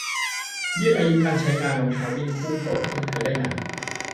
ยืดอายุการใช้งานรองเท้าวิ่งคู่โปรดให้ใช้ได้นาน